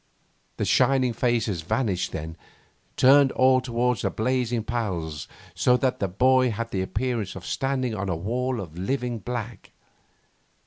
The shining faces vanished then, turned all towards the blazing piles so that the boy had the appearance of standing on a wall of living black.